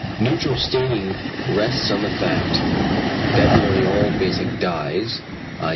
Neutral staining rests on the fact, that nearly all basic dyes (_i.